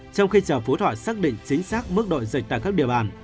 trong khi chờ phú thọ xác định chính xác mức độ dịch tại các địa bàn